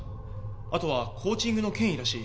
あとはコーチングの権威らしい。